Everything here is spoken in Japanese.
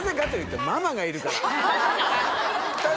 ママがいるから。